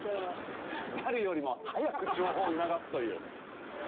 誰よりも早く情報を促すという。